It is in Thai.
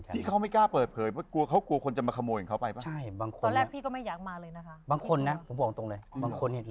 ที่เขาไม่กล้าเปิดเผยเพราะเกลือคนจะมาขโมยหังเขาไป